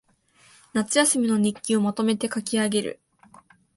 夏休みの日記をまとめて書きあげる